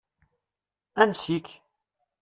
Ansi-k?